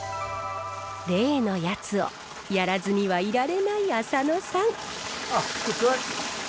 例のやつをやらずにはいられない浅野さん。